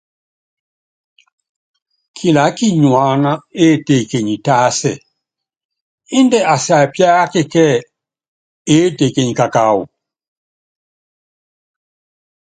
Kilaá kinyuána étekenyi tásɛ, índɛ asiapíaka kíɛ eétekenyi kákáwɔ.